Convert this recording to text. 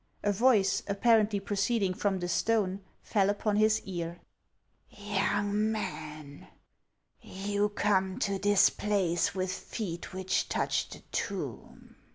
A voice, apparently proceeding from the stone, fell upon his ear " Young man, you come to this place with feet which touch the tomb."